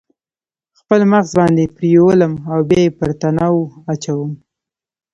خپل مغز باندې پریولم او بیا یې پر تناو اچوم